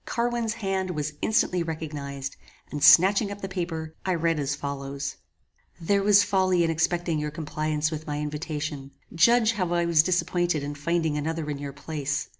Carwin's hand was instantly recognized, and snatching up the paper, I read as follows: "There was folly in expecting your compliance with my invitation. Judge how I was disappointed in finding another in your place.